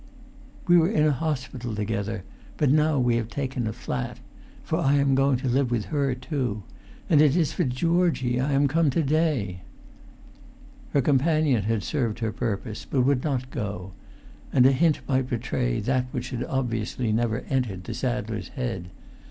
We were in a hospital together, but now we have taken a flat—for I am going to live with her too. And it is for Georgie I am come to day." Her companion had served her purpose; but would not go; and a hint might betray that which had obviously never entered the saddler's head.